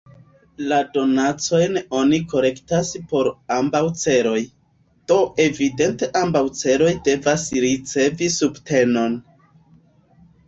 La donacojn oni kolektas por ambaŭ celoj, do evidente ambaŭ celoj devas ricevi subtenon.